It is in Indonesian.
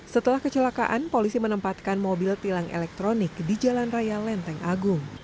setelah kecelakaan polisi menempatkan mobil tilang elektronik di jalan raya lenteng agung